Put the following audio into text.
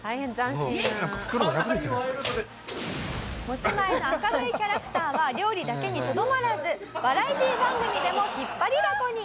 持ち前の明るいキャラクターは料理だけにとどまらずバラエティ番組でも引っ張りダコに。